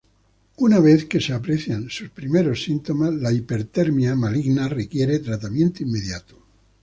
Una vez que se aprecian sus primeros síntomas la hipertermia maligna requiere tratamiento inmediato.